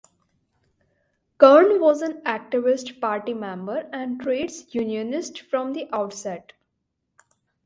Kern was an activist party member and trades unionist from the outset.